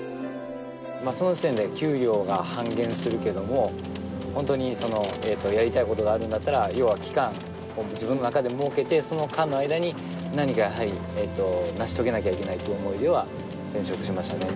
まあその時点で給料が半減するけども本当にやりたいことがあるんだったら要は期間を自分の中で設けてその間の間に何かやはり成し遂げなきゃいけないという思いでは転職しましたね。